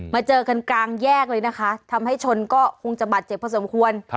เจอกันกลางแยกเลยนะคะทำให้ชนก็คงจะบาดเจ็บพอสมควร